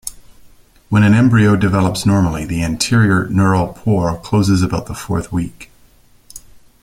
When an embryo develops normally, the anterior neural pore closes about the fourth week.